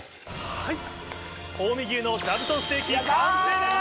はい近江牛のザブトンステーキ完成です。